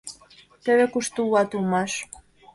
— Теве кушто улат улмаш!